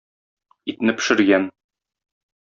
Итне пешергән.